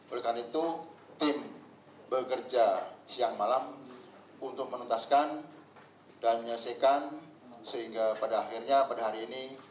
oleh karena itu tim bekerja siang malam untuk menuntaskan dan menyelesaikan sehingga pada akhirnya pada hari ini